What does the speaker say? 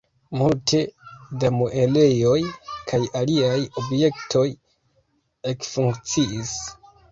Multe da muelejoj kaj aliaj objektoj ekfunkciis.